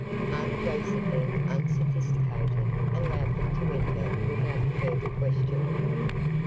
Aunt Josephine, unsophisticated, allowed them to enter without a further question.